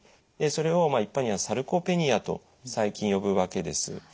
でそれを一般にはサルコペニアと最近呼ぶわけです。